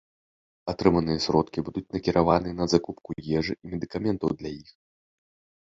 Атрыманыя сродкі будуць накіраваныя на закупку ежы і медыкаментаў для іх.